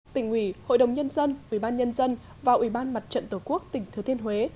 tỉnh ủy hội đồng nhân dân ủy ban nhân dân và ủy ban mặt trận tổ quốc tỉnh thừa thiên huế